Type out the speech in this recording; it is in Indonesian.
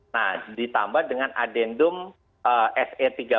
nah ditambah dengan adendum se tiga belas